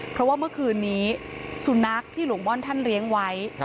เพราะว่าเมื่อคืนนี้สุนัขที่หลวงม่อนท่านเลี้ยงไว้